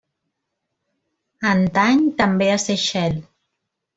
Antany també a Seychelles.